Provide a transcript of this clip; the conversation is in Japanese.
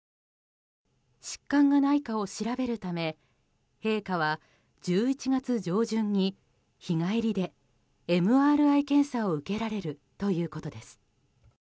疾患がないかを調べるため陛下は１１月上旬に日帰りでＭＲＩ検査を受けられるということです。